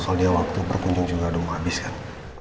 soalnya waktu berkunjung juga udah mau habis kan